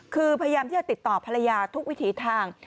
คือพยายามที่จะติดต่อภรรยาทุกวิถีทาง